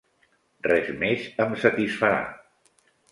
Res més em satisfarà.